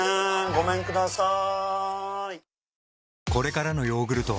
ごめんください。